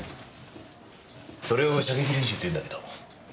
それを射撃練習って言うんだけど。